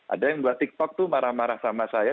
ada yang buat tiktok tuh marah marah sama saya